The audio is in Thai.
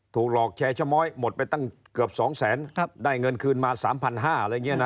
ถูกหลอกแชร์ชะม้อยหมดไปตั้งเกือบ๒แสนได้เงินคืนมา๓๕๐๐อะไรอย่างนี้นะ